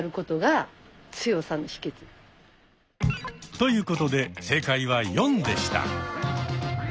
ということで正解は「４」でした。